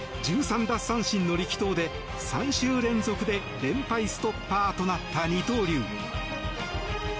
奪三振の力投で３週連続で連敗ストッパーとなった二刀流。